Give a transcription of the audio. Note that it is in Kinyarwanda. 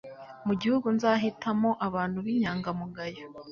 Mu gihugu nzahitamo abantu b’inyangamugayo